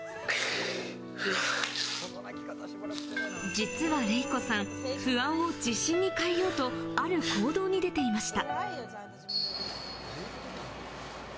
実はレイコさん、不安を自信に変えようとある行動に出ていました。